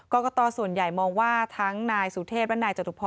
กรกตส่วนใหญ่มองว่าทั้งนายสุเทพ